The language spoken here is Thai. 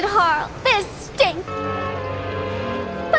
ใช่ครับ